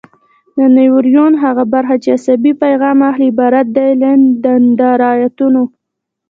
د نیورون هغه برخه چې عصبي پیغام اخلي عبارت دی له دندرایتونو.